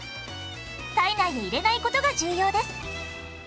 体内に入れない事が重要です。